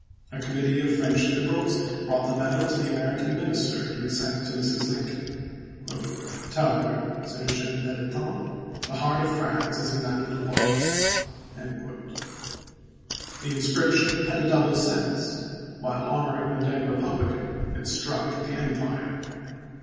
A committee of French Liberals brought the medal to the American minister, to be sent to Mrs. Lincoln. " Tell her," said Eugene Pelletan, "the heart of France is in that little box." The inscription had a double sense ; while honoring the dead Eepublican, it struck at the Empire.